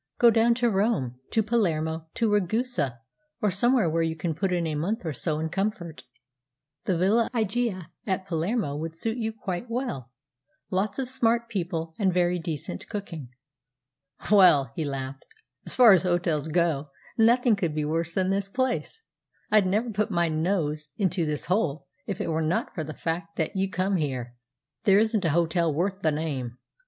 "Go down to Rome, to Palermo, to Ragusa, or somewhere where you can put in a month or so in comfort. The Villa Igiea at Palermo would suit you quite well lots of smart people, and very decent cooking." "Well," he laughed, "as far as hotels go, nothing could be worse than this place. I'd never put my nose into this hole if it were not for the fact that you come here. There isn't a hotel worth the name.